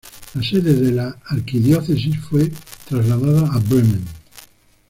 La sede de la arquidiócesis fue trasladada a Bremen.